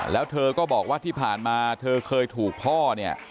แล้วเธอก็บอกว่าที่ผ่านมาเธอเคยถูกพ่อเนี่ย